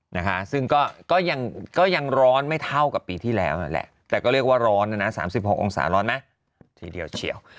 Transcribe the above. นะคะซึ่งก็ยังร้อนไม่เท่ากับปีที่แล้วนั่นแหละแต่ก็เรียกว่าร้อนนะนะ๓๖องศาร้อนนะทีเดียวเฉียว